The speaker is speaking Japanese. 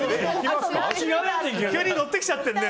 急にノってきちゃってるね。